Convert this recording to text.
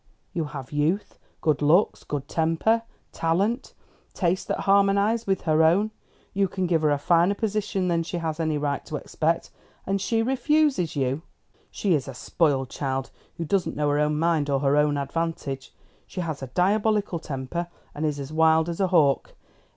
You have youth, good looks, good temper, talent, tastes that harmonise with her own. You can give her a finer position than she has any right to expect. And she refuses you. She is a spoiled child, who doesn't know her own mind or her own advantage. She has a diabolical temper, and is as wild as a hawk.